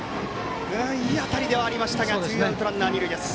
いい当たりでしたがツーアウトランナー、二塁です。